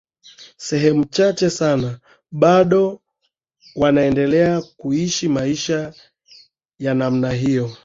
sehemu chache sana bado wanaendelea kuishi maisha ya namna hiyo